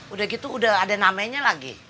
udah gitu udah ada namanya lagi